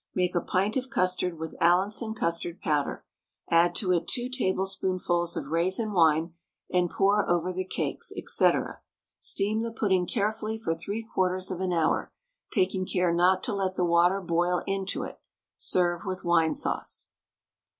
Make a pint of custard with Allinson custard powder, add to it 2 tablespoonfuls of raisin wine and pour over the cakes, &c., steam the pudding carefully for three quarters of an hour, taking care not to let the water boil into it; serve with wine sauce.